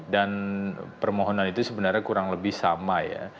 dan permohonan itu sebenarnya kurang lebih sama ya